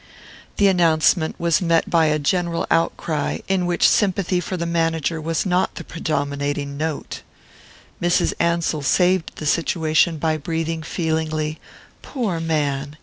This announcement was met by a general outcry, in which sympathy for the manager was not the predominating note. Mrs. Ansell saved the situation by breathing feelingly: "Poor man!"